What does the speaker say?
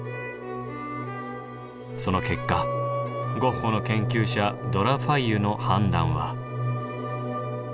その結果ゴッホの研究者ド・ラ・ファイユの判断は。